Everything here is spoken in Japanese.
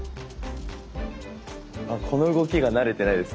この動きが慣れてないです